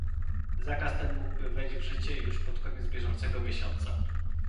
Zakaz ten mógłby wejść w życie już pod koniec bieżącego miesiąca